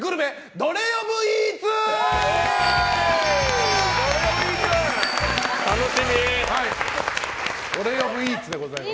どれ呼ぶイーツでございます。